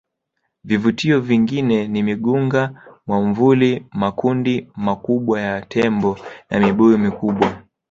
Vivutio vingine ni Migunga mwamvuli Makundi makubwa ya Tembo na Mibuyu mikubwa